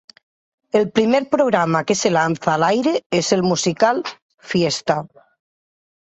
El primer programa que se lanza al aire es el musical "Fiesta".